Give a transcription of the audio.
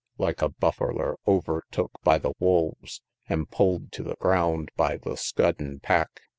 Like a bufferler overtook by the wolves, An' pull'd tew the ground by the scuddin' pack.